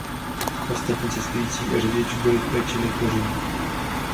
Ostatní cestující a řidič byli v péči lékařů.